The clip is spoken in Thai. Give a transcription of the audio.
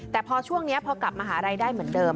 แต่พอช่วงนี้พอกลับมหาลัยได้เหมือนเดิม